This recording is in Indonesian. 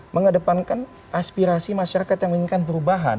mengedepankan aspirasi masyarakat yang menginginkan perubahan